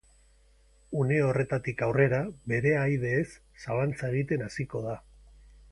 Une horretatik aurrera, bere ahaideez zalantza egiten hasiko da.